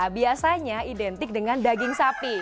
biasanya identik dengan daging sapi